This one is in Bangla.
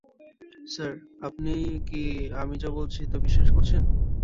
স্যার, আপনি কি আমি যা বলছি, তা বিশ্বাস করছেন?